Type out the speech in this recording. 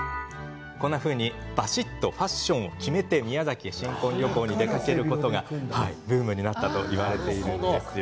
ばしっとファッションを決めて宮崎へ新婚旅行に出かけることがブームになったといわれているんです。